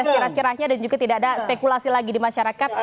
cerah cerahnya dan juga tidak ada spekulasi lagi di masyarakat